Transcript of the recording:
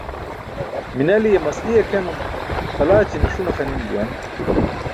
Minaliye masti akʰenum palaćine ṣune xa nim juwan.